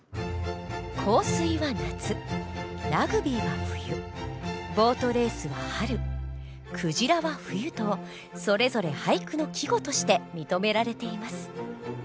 「香水」は夏「ラグビー」は冬「ボートレース」は春「鯨」は冬とそれぞれ俳句の季語として認められています。